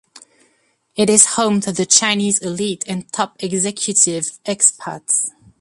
It is home to the Chinese elite and top executive expats.